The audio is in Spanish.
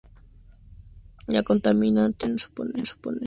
Los contaminantes pueden suponer un riesgo para la salud humana y animal.